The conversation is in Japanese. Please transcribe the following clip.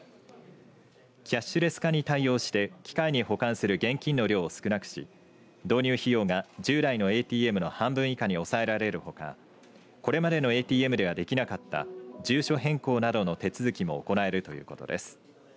キャッシュレス化に対応して機械に保管する現金の量を少なくし導入費用が従来のＡＴＭの半分以下に抑えられるほかこれまでのＡＴＭではできなかった住所変更などの手続きも行えるということです。